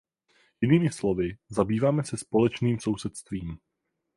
Jinými slovy, zabýváme se společným sousedstvím.